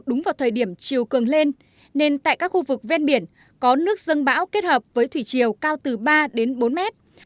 đúng vào thời điểm chiều cường lên nên tại các khu vực ven biển có nước dân bão kết hợp với thủy chiều cao từ ba đến bốn mét